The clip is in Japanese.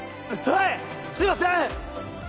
はいすいません！